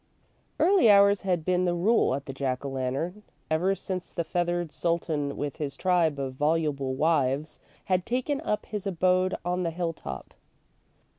Early hours had been the rule at the Jack o' Lantern ever since the feathered sultan with his tribe of voluble wives had taken up his abode on the hilltop.